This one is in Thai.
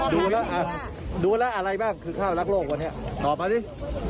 ดูแล้วดูแล้วอะไรบ้างคือข้าวรักโลกวันนี้ตอบมาดิ